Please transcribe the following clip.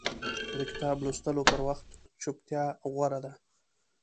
د کتاب لوستلو پر وخت چپتیا غوره ده.